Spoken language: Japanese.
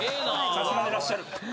さすがでらっしゃる！